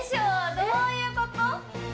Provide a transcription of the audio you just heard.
どういうこと？